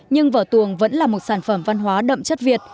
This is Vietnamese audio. nhưng vở tuồng vẫn là một sản phẩm văn hóa đậm chất việt